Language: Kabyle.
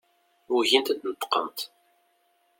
Ugint ad d-neṭqent.